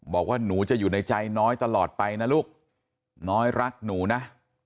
บอกว่าหนูจะอยู่ในใจน้อยตลอดไปนะลูกน้อยรักหนูนะ